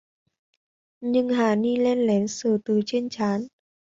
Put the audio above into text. Nhưng hà ni len lén sờ từ trên trán